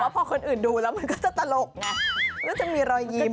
พออื่นดูแล้วซักสุดมินมีรอยยิม